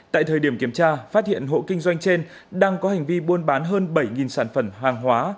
tại thời điểm kiểm tra phát hiện hộ kinh doanh trên đang có hành vi buôn bán hơn bảy sản phẩm hàng hóa